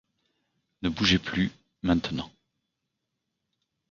Ne bouge plus, maintenant.